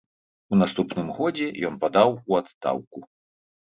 У наступным годзе ён падаў у адстаўку.